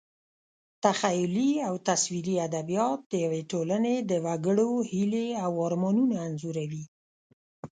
تخیلي او تصویري ادبیات د یوې ټولنې د وګړو هیلې او ارمانونه انځوروي.